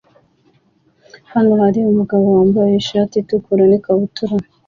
Hano hari umugabo wambaye ishati itukura n'ikabutura